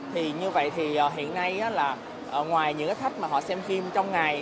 thì như vậy thì hiện nay là ngoài những khách mà họ xem phim trong ngày